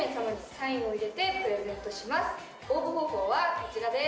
応募方法はこちらです。